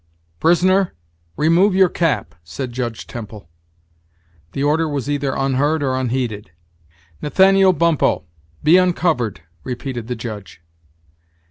"Prisoner, remove your cap," said Judge Temple. The order was either unheard or unheeded. "Nathaniel Bumppo, be uncovered," repeated the Judge.